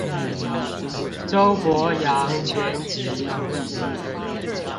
周伯陽全集